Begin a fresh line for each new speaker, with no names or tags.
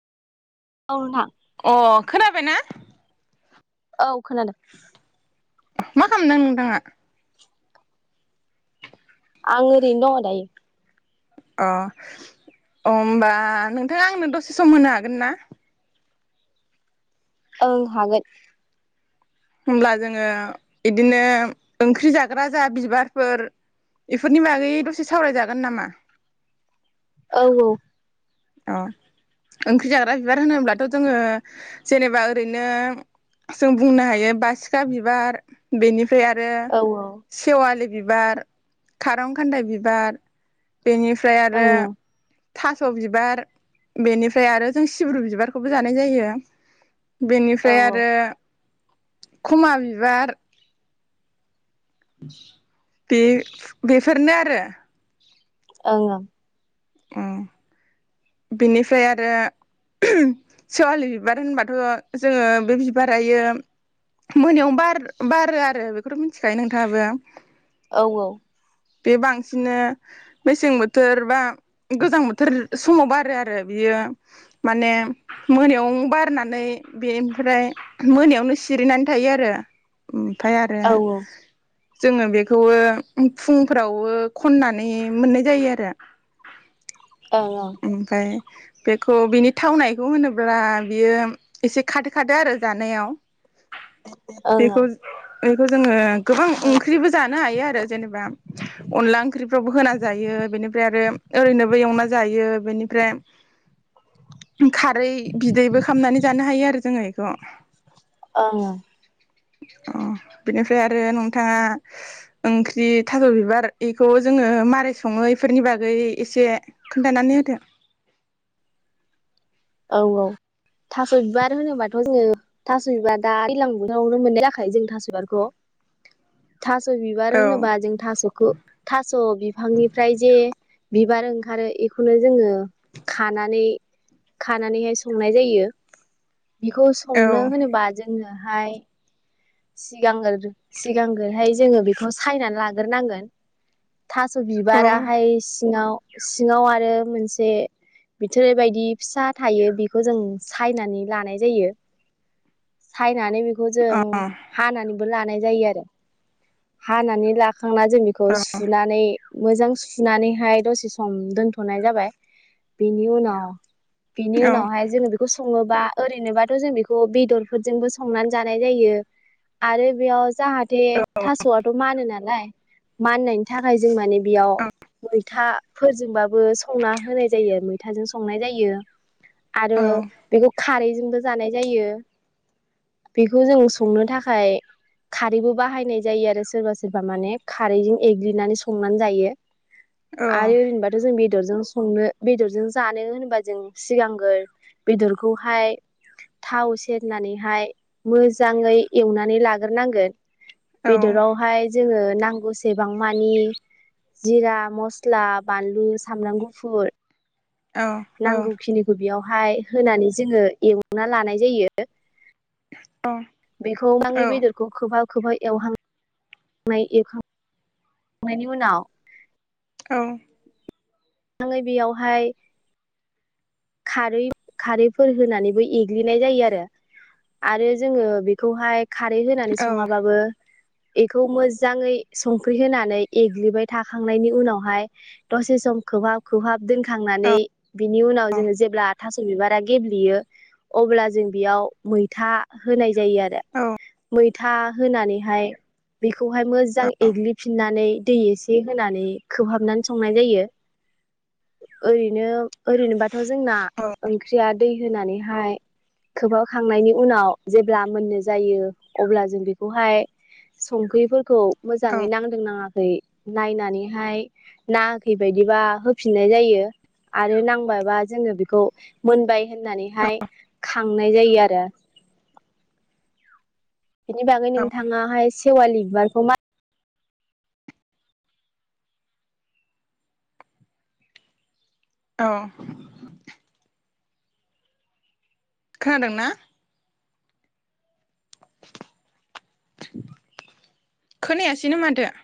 औ‌ नोंथां।
अ खोनाबायना।
औ खोनादों।
मा खालामदों नोंथाङा।
आं ओरैनो दं दायो।
अ अ होमबा नोंथाङा आंनो दसे सम होनो हागोन ना।
ओं हागोन।
होमब्ला जोङो बिदिनो ओंख्रि जाग्रा जा बिबारफोर इफोरनि बागै दसे सावरायजागोन नामा?
औ औ।
अ ओंख्रि जाग्रा बिबार होनोब्लाथ' जोङो जेनेबा ओरैनो जों बुंनो हायो बासिखा बिबार बेनि फ्रे आरो
औ
सेवालि बिबार खारं खान्दाय बिबार बेनिफ्राय आरो
ओं ओं
थास' बिब बार बेनिफ्राय आरो जों सिब्रु बिबारखौबो जानाय जायो।
औ
बेनिफ्राय आरो खुमा बिबार बे बेफोरनो आरो।
ओं ओं।
उम बिनिफ्राय आरो सेवालि बिबार होनबाथ' जोंओ बे बिबारायो मोनायाव बार बारो आरो। बेखौथ' मिथिखायो नोंथाङाबो?
औ
बे बांसिनो मेसें बोथोर बा गोजां बोथोर समाव बारो आरो बियो माने मोनायाव बारनानै बेनिफ्राय मोनायावनो सिरिनानै थायो आरो। फाय आरो
औ
जोङो बेखौबो फुंफोरावबो खननानै मोननाय जायो आरो।
ओं ओं।
ओमफ्राय बेखौ बिनि थावनायखौ होनोब्ला बियो एसे खादो खादो आरो जानायाव। बेखौ बेखौ जोङो गोबां ओंख्रिबो जानो हायो आरो जेनेबा अनला ओंख्रिफ्रावबो होना जायो बेनिफ्राय आरो ओरैनोबो एवना जायो बेनिफ्राय [unintelligible] औरै बिदैबो खामनानै जानो हायो आरो जोङो। खौ।
ओं ओ।
अ बिनोसै आ रो नोंथाङा ओंख्रि थास' बिबार बेखौ जोङो मारै सङो इफोरनि बागै एसे खोन्थानानै होदो।
औ औ थास' बिबार होनोबाथ' जोङो थास' बिबार दा दैलां बोथोरावनो मोननाय जाखायो जों थास' बिबारखौ थास' बिबार
औ
होनोबा जों थास'खौ थास' बिफांनिफ्राय जे बिबार ओंखारो इखौनो जोङो खानानै खानानैहाय संनाय जायो। बिखौ
औ
संनो होनोबा जों जोङोहाय सिगांग्रो सिगांग्रोहाय जोङो बेखौ सायनानै लाग्रोनांगोन। थास'
औ अ
बिबाराहाय सिङाव सिङाव आरो मोनसे बिथोराइ बायदि फिसा थायो बेखौ जों सायनानै लानाय जायो। फैनानै बेखौ जों नानैबो लानाय जायो आरो। हानानै ला हखांना जों बेखौ सुनानै मोजां सुनानैहाय दसे सम दोनथ'नाय जाबाय बेनि उनाव बिनि
औ
उनावहाय जोङो बेखौ सङोबा ओरैनोबाथ' जों बेखौ बेदरफोरजोंबो संनानै जानाय जायो आरो बेयाव जाहाथे थास'आथ' मानो नालाय माननायनि थाखाय जों माने बेयाव मैथाफोरजोंबा संना होनाय जायो मैथाजों संनाय जायो। आरो
औ
बेखौ खारै जों ज बेखौ जों संनो थाखाय खारैबो बाहायनाय जायो आरो सोरबा सोरबा माने खारैजों एग्लिनानै संनानै जायो।
औ
आरो ओरैनोबाथ' जों बेदरजों संनो बेदरजों जानो होनोबा जों सिगांगोर बेदरखौहाय थाव सेरनानैहाय मोजाङै एवनानै लाग्रोनांगोन बेदरावहाय जोङो न नांगौसेबां मानि जिरा मस्ला बानलु सामब्राम गुफुर नांगौखिनिखौ बेयाव हाय होनानै जोङो एवना लानाय जायो
[inaudible]
बेखौ माङै
औ औ
बेदरखौ खोबहाब खौबो एवहां नाय एवखां नायनि उनाव
औ
माङै बेयावहाय खारै खारैफोर होनानैबो एग्लिनाय जायो आरो आरो जोङो बेखौहाय खारै होनानै सङाबाबो बेखौ मोजाङै संख्रि होनानै एग्लिबाय थाखांनायनि उनावहाय दसे सम खोबहाब खोबहाब दोनखांनानै बिनि उनाव जोङो जेब्ला थ' बिबारा गेबयो अब्ला जों बेयाव मैथा होनाय जायो आरो
औ
मै था होनानैहाय बेखौहाय मोजां एग्लिफिननानै दै एसे होनानै खोबहाबनानै संनाय जायो ओरैनो ओरैनो ब थ' जोंना ओंख्रिया दै होनानैहाय खोहाबखांनायनि उनाव जेब्ला मोननाय जायो अब्ला जों बेखौहाय संख्रिफोरखौ मोजाङै नांदों नाङाखै नायनानैहाय नाङाखै बायदिबा होफिननाय जायो आरो नांबायबा जोङो बेखौ मोनबाय होननानैहाय खांनाय जायो आरो बेनि बागै नोंथाङाहाय सेवालि बिबारखौ मा
औ खोनादों ना खोनायासैनो माथो